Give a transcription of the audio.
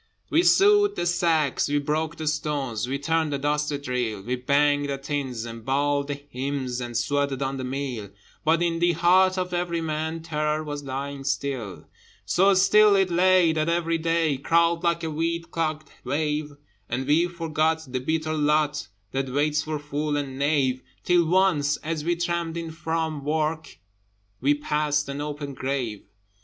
We sewed the sacks, we broke the stones, We turned the dusty drill: We banged the tins, and bawled the hymns, And sweated on the mill: But in the heart of every man Terror was lying still. So still it lay that every day Crawled like a weed clogged wave: And we forgot the bitter lot That waits for fool and knave, Till once, as we tramped in from work, We passed an open grave.